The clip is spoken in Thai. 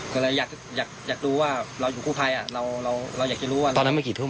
ก็อยากดูว่าเราอยู่ท่านครูไทยอยว่าตอนนั้นได้กี่ทุ่ม